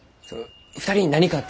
２人に何かあったら！